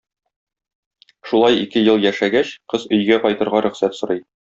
Шулай ике ел яшәгәч, кыз өйгә кайтырга рөхсәт сорый.